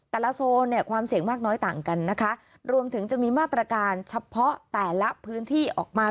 โซนเนี่ยความเสี่ยงมากน้อยต่างกันนะคะรวมถึงจะมีมาตรการเฉพาะแต่ละพื้นที่ออกมา